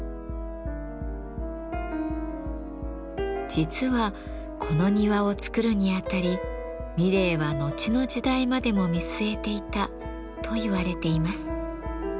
実はこの庭を作るにあたり三玲は後の時代までも見据えていたと言われています。